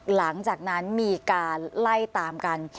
หลังจากนั้นมีการไล่ตามกัน